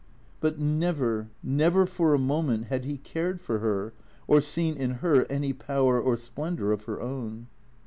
But never, never for a moment had he cared for her, or seen in her any power or splendour of her own.